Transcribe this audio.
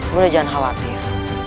bunda jangan khawatir